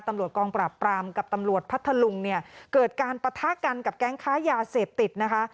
ตำรวจกองปราบปรามกับตำรวจพัทธลุงเนี่ยเกิดการปะทะกันกับแก๊งค้ายาเสพติดนะคะ